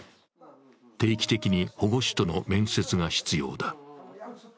定期的に保護司との面接が必要だ。